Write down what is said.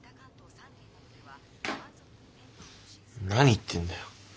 何言ってんだよ。